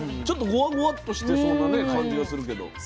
ちょっとゴワゴワッとしてそうなね感じはするけど。